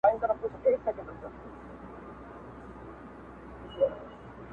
o د عشق بيتونه په تعويذ كي ليكو كار يـې وسـي.